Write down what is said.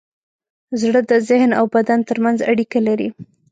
زړه د ذهن او بدن ترمنځ اړیکه لري.